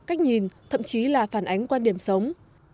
cách nhìn thậm chí là phản ánh quan điểm sống